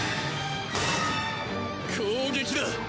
攻撃だ。